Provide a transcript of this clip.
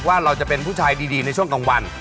ว่าเราจะเป็นผู้ชายดีในช่วงกลางวัน